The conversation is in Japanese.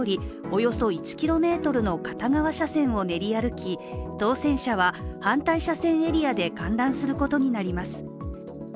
およそ１ｋｍの片側車線を練り歩き、当選者は反対車線エリアで観覧することになります。